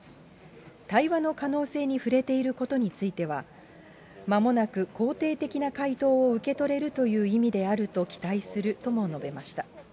対話の可能性に触れていることについては、まもなく肯定的な回答を受け取れるという意味であると期待するとも述べました。